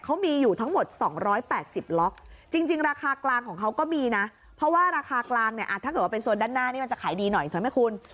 เขามีอยู่ทั้งหมด๒๘๐ล็อกจริงราคากลางของเขาก็มีนะเพราะว่าราคากลางเนี่ยถ้าเกิดว่าเป็นโซนด้านหน้านี่มันจะขายดีหน่อยใช่ไหมคุณ